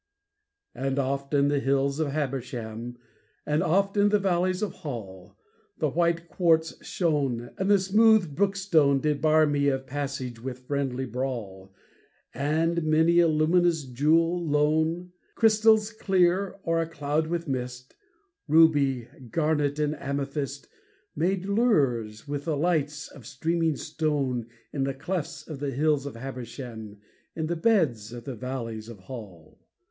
And oft in the hills of Habersham, And oft in the valleys of Hall, The white quartz shone, and the smooth brook stone Did bar me of passage with friendly brawl, And many a luminous jewel lone Crystals clear or a cloud with mist, Ruby, garnet and amethyst Made lures with the lights of streaming stone In the clefts of the hills of Habersham, In the beds of the valleys of Hall.